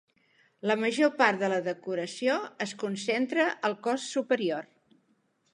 La major part de la decoració es concentra al cos superior.